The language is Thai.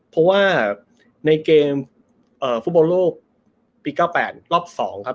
เพราะว่าในเกมฟุตบอลโลกปี๙๘รอบ๒ครับ